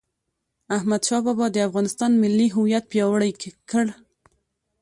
احمدشاه بابا د افغانستان ملي هویت پیاوړی کړ..